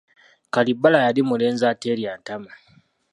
Kalibbala yali mulenzi ateerya ntama!